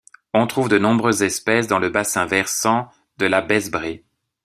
On trouve de nombreuses espèces dans le bassin versant de la Besbre.